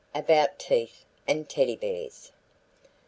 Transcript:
ABOUT TEETH AND TEDDY BEARS.